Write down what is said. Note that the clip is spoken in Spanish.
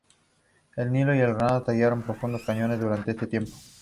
El Nilo y el Ródano tallaron profundos cañones durante este tiempo.